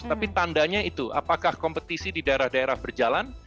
tapi tandanya itu apakah kompetisi di daerah daerah berjalan